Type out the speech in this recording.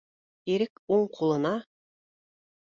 — Ирек уң ҡулына